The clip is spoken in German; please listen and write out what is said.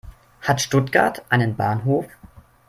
Hat Stuttgart einen Bahnhof?